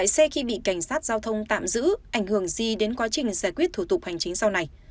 xe khi bị cảnh sát giao thông tạm giữ ảnh hưởng gì đến quá trình giải quyết thủ tục hành chính sau này